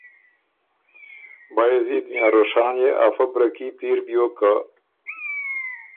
بایزید میاں روشان يې افۀ برکي پیر بیوک که